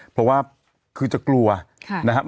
เพราะว่าคือจะกลัวไม่กล้าพูด